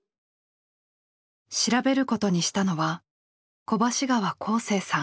調べることにしたのは小橋川興盛さん。